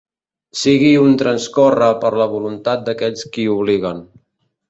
Sigui un transcórrer per la voluntat d’aquells qui obliguen.